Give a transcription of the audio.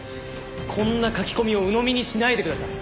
こんな書き込みをうのみにしないでください。